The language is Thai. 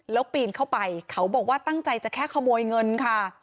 แล้วปีนเข้าไปเขาบอกว่าตั้งใจจะแค่ขโมยเงินค่ะ